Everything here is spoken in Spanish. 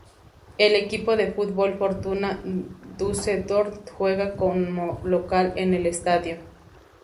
El equipo de fútbol Fortuna Düsseldorf juega como local en el estadio.